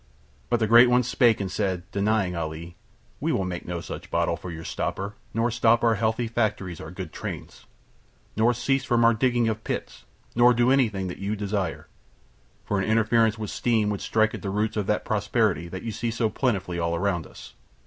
But the great ones spake and said, denying Ali: "We will make no such bottle for your stopper nor stop our healthy factories or good trains, nor cease from our digging of pits nor do anything that you desire, for an interference with steam would strike at the roots of that prosperity that you see so plentifully all around us."